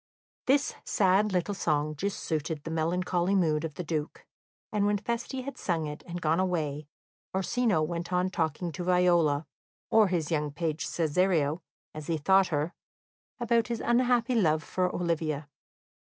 This sad little song just suited the melancholy mood of the Duke, and when Feste had sung it, and gone away, Orsino went on talking to Viola or his young page Cesario, as he thought her about his unhappy love for Olivia.